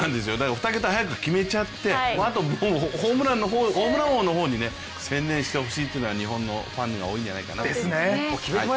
２桁早く決めちゃってあとホームラン王の方に専念してほしいっていう日本のファンが多いんじゃないかな。